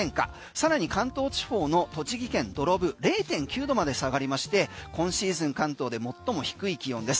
さらに関東地方の栃木県土呂部０．９度まで下がりまして今シーズン関東で最も低い気温です。